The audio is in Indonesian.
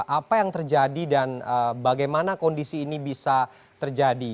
apa yang terjadi dan bagaimana kondisi ini bisa terjadi